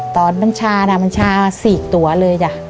ตอนมันชานะมันชา๔ตัวเลยจ้ะ